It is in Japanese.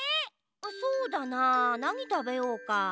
そうだななにたべようか？